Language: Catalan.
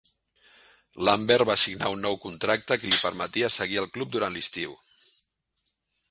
Lambert va signar un nou contracte que li permetia seguir al club durant l'estiu.